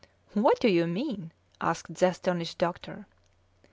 "What do you mean?" asked the astonished doctor.